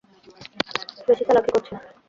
বেশি চালাকি করছে।